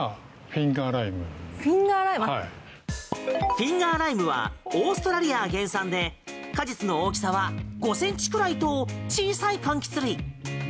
フィンガーライムはオーストラリア原産で果実の大きさは５ｃｍくらいと小さい柑橘類。